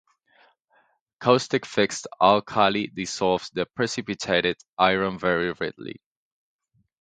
Caustic fixed alkali dissolves the precipitated iron very readily.